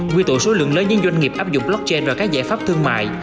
quy tụ số lượng lớn những doanh nghiệp áp dụng blockchain và các giải pháp thương mại